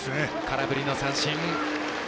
空振りの三振。